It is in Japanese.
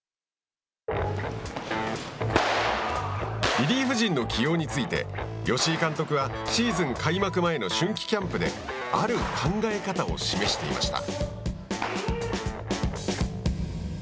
リリーフ陣の起用について吉井監督はシーズン開幕前の春季キャンプである考え方を示していました。